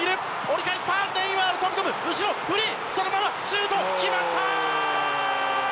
フリー、そのままシュート決まった！